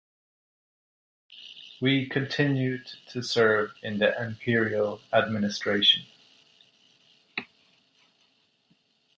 Wei continued to serve in the imperial administration.